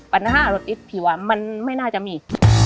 ปัญหารถอดอีกที่หวานมันไม่น่าจะมี